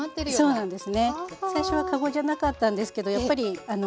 そうなんです。